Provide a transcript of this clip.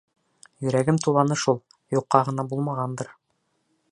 Йөрәгем туланы шул, юҡҡа ғына булмағандыр.